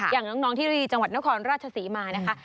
อย่างน้องที่รีจังหวัดนครราชศรีมานะคะ